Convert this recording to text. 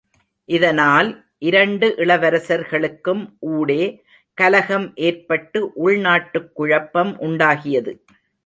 இதனால், இரண்டு இளவரசர்களுக்கும் ஊடே, கலகம் ஏற்பட்டு உள் நாட்டுக் குழப்பம் உண்டாகியது.